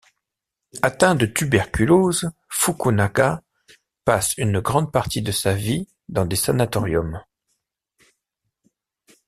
Atteint de tuberculose, Fukunaga passe une grande partie de sa vie dans des sanatorium.